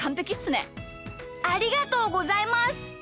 ありがとうございます。